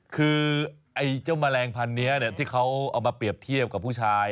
คือไอ้เจ้าแมลงพันธุ์นี้ที่เขาเอามาเปรียบเทียบกับผู้ชาย